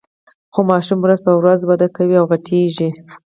خو ماشوم ورځ په ورځ وده کوي او غټیږي.